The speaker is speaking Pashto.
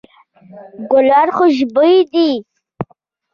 ګلونه خوشبوي دي.